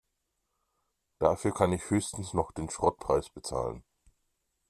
Dafür kann ich höchstens noch den Schrottpreis bezahlen.